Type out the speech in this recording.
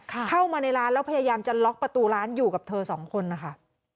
เข้ามาในร้านแล้วพยายามจะล็อกประตูร้านอยู่กับเธอสองคนนะคะ